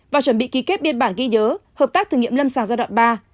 và chuẩn bị ký kết biên bản ghi nhớ hợp tác thử nghiệm lâm sàng giai đoạn ba